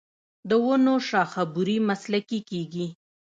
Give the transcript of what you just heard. د ونو شاخه بري مسلکي کیږي.